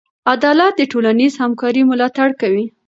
عدالت د ټولنیز همکارۍ ملاتړ کوي.